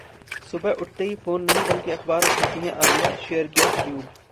सुबह उठते ही फोन नहीं बल्कि अखबार उठाती हैं आलिया, शेयर किया शेड्यूल